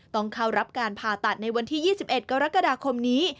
ต้องเข้ารับการผ่าตัดในวันที่๒๑กรกฎาคมนี้